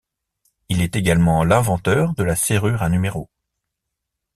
Il est également l'inventeur de la serrure à numéros.